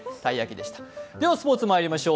ではスポーツまいりましょう。